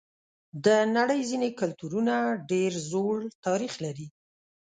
د نړۍ ځینې کلتورونه ډېر زوړ تاریخ لري.